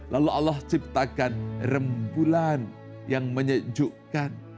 lalu allah ciptakan rembulan yang menyejukkan